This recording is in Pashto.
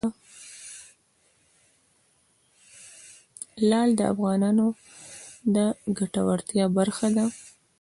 لعل د افغانانو د ګټورتیا برخه ده.